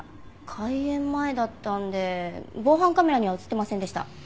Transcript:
開園前だったんで防犯カメラには映ってませんでした。